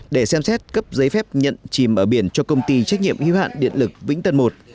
để xem xét cấp giấy phép nhận chìm ở biển cho công ty trách nhiệm hưu hạn điện lực vĩnh tân một